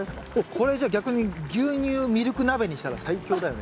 これじゃあ逆に牛乳ミルク鍋にしたら最強だよね。